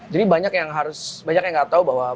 jadi banyak yang harus banyak yang gak tau bahwa